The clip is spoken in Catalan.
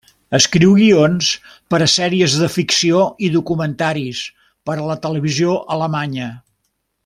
Escriu guions per a sèries de ficció i documentaris per a la televisió alemanya.